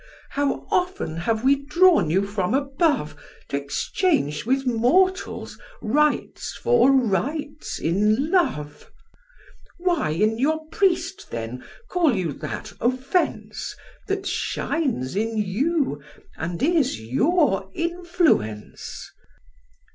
How often have we drawn you from above, T' exchange with mortals rites for rites in love! Why in your priest, then, call you that offence, That shines in you, and is your influence?"